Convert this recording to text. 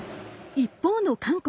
一方の韓国。